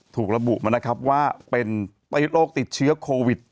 ถูกระบุมานะครับว่าเป็นโรคติดเชื้อโควิด